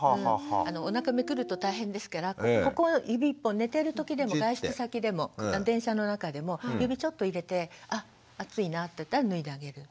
おなかめくると大変ですからここ指１本寝てる時でも外出先でも電車の中でも指ちょっと入れてあ暑いなっていったら脱いであげる。